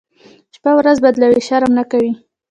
شپه ورځ بدلوي، شرم نه کوي.